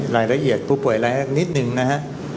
รายละเอียดผู้ป่วยรายแรกนิดหนึ่งนะฮะ